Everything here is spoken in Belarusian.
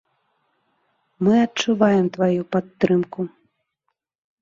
Мы адчуваем тваю падтрымку!